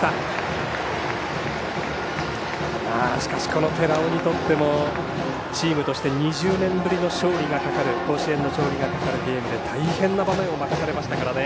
この寺尾にとってもチームとして２０年ぶりの甲子園の勝利がかかるゲームで大変な場面を任されましたからね。